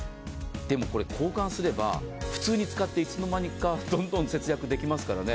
でもこれ、交換すれば普通に使っていつの間にかどんどん節約できますから。